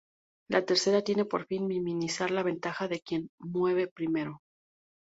La tercera tiene por fin minimizar la ventaja de quien mueve primero.